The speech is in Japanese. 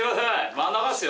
真ん中っすよ